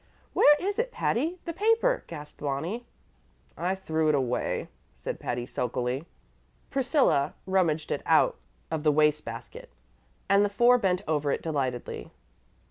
"Where is it, Patty the paper?" gasped Bonnie. "I threw it away," said Patty, sulkily. Priscilla rummaged it out of the waste basket, and the four bent over it delightedly.